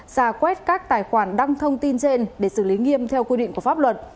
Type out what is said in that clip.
giả quét các tài khoản đăng thông tin trên để xử lý nghiêm theo quy định của pháp luật